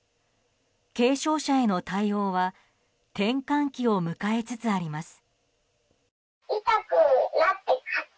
軽症者への対応は転換期を迎えつつあります。